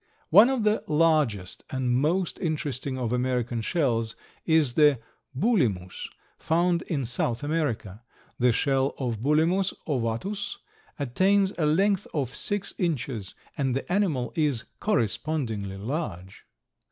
One of the largest and most interesting of American shells is the Bulimus, found in South America. The shell of Bulimus ovatus attains a length of six inches and the animal is correspondingly large.